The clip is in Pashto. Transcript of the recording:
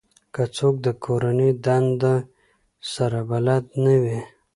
که څوک د کورنۍ دندې سره بلد نه وي